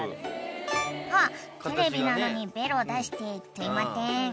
［あっテレビなのにベロ出してとぅいまてん］